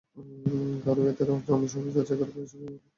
কারও কারও ক্ষেত্রে জন্মসনদ যাচাই করে বয়স প্রমার্জনের সুপারিশ করা হয়।